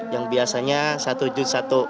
yang biasanya satu juz satu